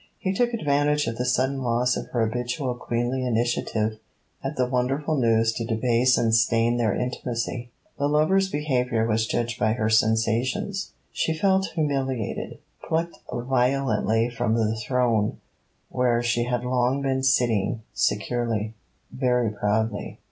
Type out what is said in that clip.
He took advantage of the sudden loss of her habitual queenly initiative at the wonderful news to debase and stain their intimacy. The lover's behaviour was judged by her sensations: she felt humiliated, plucked violently from the throne where she had long been sitting securely, very proudly.